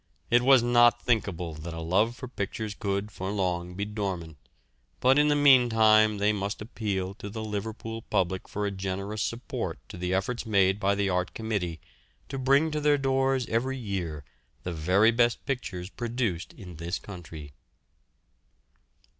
It was not thinkable that a love for pictures could for long be dormant; but in the meantime they must appeal to the Liverpool public for a generous support to the efforts made by the Art Committee to bring to their doors every year the very best pictures produced in this country.